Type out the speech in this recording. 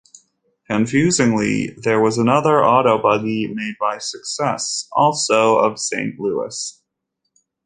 Confusingly, there was another Auto-Buggy made by Success, also of Saint Louis.